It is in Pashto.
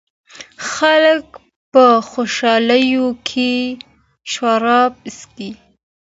خلګ په خوښیو کي شراب څښي.